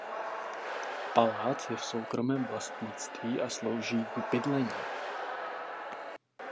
Palác je v soukromém vlastnictví a slouží k bydlení.